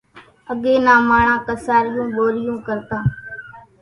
اڳيَ نان ماڻۿان ڪسارِيوُن ٻورِيون ڪرتان۔